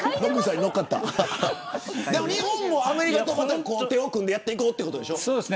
日本も、アメリカと手を組んでやっていこうということでしょ。